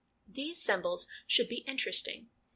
These Symbols should be Interesting.